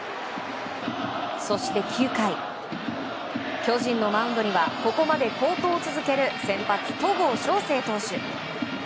そして９回、巨人のマウンドにはここまで好投を続ける先発、戸郷翔征投手。